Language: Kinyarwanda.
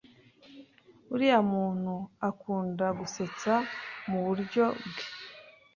uriya muntu akunda gusetsa mu buryo bwe